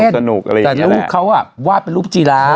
แต่ลุ้กเขาอะวาดเป็นลูกจีรา